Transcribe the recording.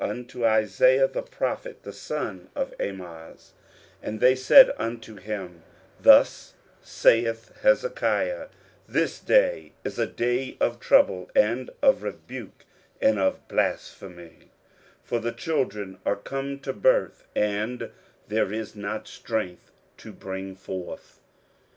23:037:003 And they said unto him, Thus saith Hezekiah, This day is a day of trouble, and of rebuke, and of blasphemy: for the children are come to the birth, and there is not strength to bring forth.